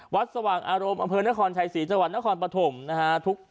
สว่างอารมณ์อำเภอนครชัยศรีจังหวัดนครปฐมนะฮะ